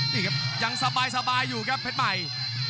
นี่ครับยังสบายอยู่ครับเพชรใหม่